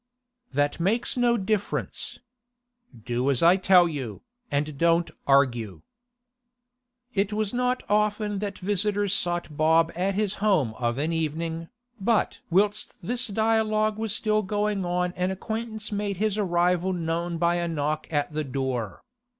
'That makes no difference. Do as I tell you, and don't argue.' It was not often that visitors sought Bob at his home of an evening, but whilst this dialogue was still going on an acquaintance made his arrival known by a knock at the door.